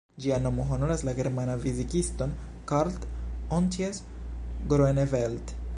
Ĝia nomo honoras la germanan fizikiston "Karl-Ontjes Groeneveld".